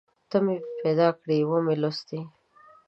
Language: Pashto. ته مې پیدا کړې ومې لوستې